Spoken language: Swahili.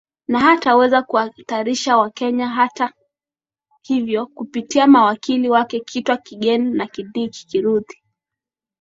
na hatuwezi kuhatarisha wakenya hata hivyo kupitia mawakili wake kitwa kigen na kidiki kithuri